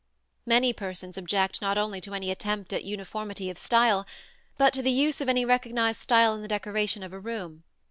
Many persons object not only to any attempt at uniformity of style, but to the use of any recognized style in the decoration of a room.